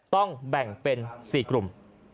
ต้องแบ่งเป็น๔กลุ่ม